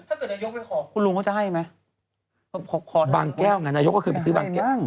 ถ้าเกิดนายกไปขอคุณลุงเขาจะให้ไหมบางแก้วไงนายกก็คือไปซื้อบางแก้ว